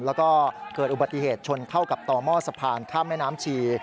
แล้วก็เกิดอุบัติเหตุชนเข้ากับต่อหม้อสะพานข้ามแม่น้ำชี